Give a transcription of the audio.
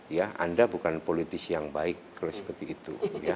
ya anda bukan politisi yang baik kalau seperti itu